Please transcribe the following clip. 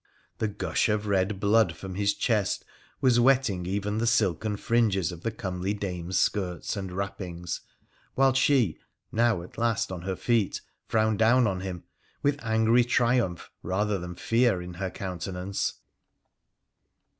The gush of red blood from his chest was wetting even the silken fringes of the comely dame's skirts and wrappings, while she, now at last on her feet, frowned down on him, with angry triumgh rather than fear in her countenance.